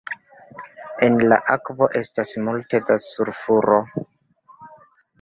En la akvo estas multe da sulfuro.